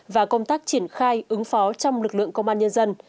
và công tác triển khai ứng phó trong lực lượng công an nhân dân